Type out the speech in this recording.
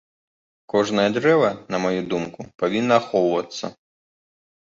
Кожнае дрэва, на маю думку, павінна ахоўвацца.